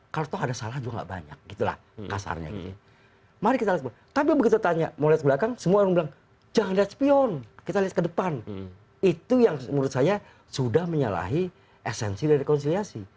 kalau tau ada salah juga gak banyak gitu lah kasarnya mari kita lihat tapi begitu tanya mau lihat ke belakang semua orang bilang jangan lihat spion kita lihat ke depan itu yang menurut saya sudah menyalahi esensi dari rekonsiliasi